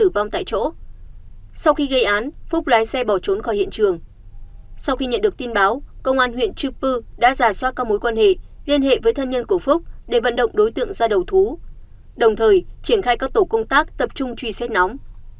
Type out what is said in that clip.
công an huyện chư pư đã giả soát các mối quan hệ liên hệ với thân nhân của phúc để vận động đối tượng ra đầu thú đồng thời triển khai các tổ công tác tập trung truy xét nóng